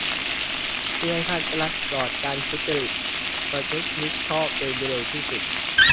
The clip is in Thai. เพื่อให้ภาครัฐปลอดการทุจริต ประพฤติมิชอบโดยเร็วที่สุด